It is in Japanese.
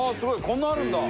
こんなあるんだ。